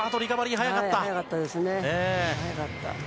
速かった。